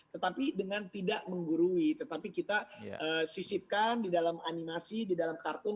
tetapi dengan tidak menggurui tetapi kita sisipkan di dalam animasi di dalam kartun